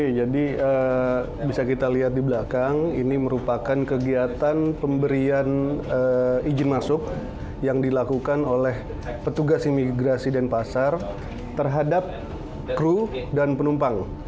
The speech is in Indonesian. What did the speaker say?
oke jadi bisa kita lihat di belakang ini merupakan kegiatan pemberian izin masuk yang dilakukan oleh petugas imigrasi dan pasar terhadap kru dan penumpang